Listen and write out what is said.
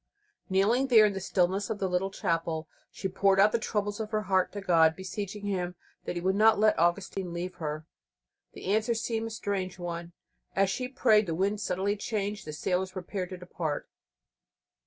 Kneeling there in the stillness of the little chapel, she poured out the troubles of her heart to God, beseeching Him that He would not let Augustine leave her. The answer seemed a strange one. As she prayed the wind suddenly changed; the sailors prepared to depart.